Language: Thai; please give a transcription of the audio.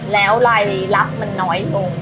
แล้วรายลับมันน้อยลง